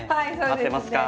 合ってますか？